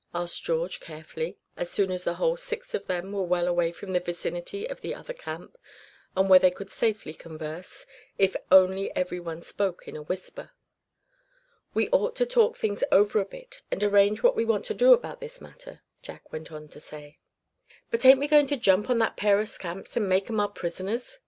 asked George, carefully, as soon as the whole six of them were well away from the vicinity of the other camp, and where they could safely converse, if only every one spoke in a whisper. "We ought to talk things over a bit, and arrange what we want to do about this matter," Jack went on to say. "But ain't we goin' to jump on that pair of scamps, and make 'em our prisoners?"